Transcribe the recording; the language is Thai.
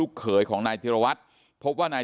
แล้วก็ช่วยกันนำนายธีรวรรษส่งโรงพยาบาล